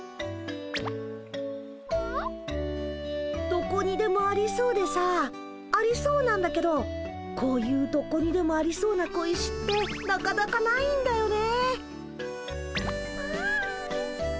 どこにでもありそうでさありそうなんだけどこういうどこにでもありそうな小石ってなかなかないんだよね。